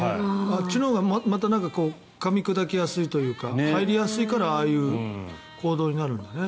あっちのほうがかみ砕きやすいというか入りやすいからああいう行動になるんだね。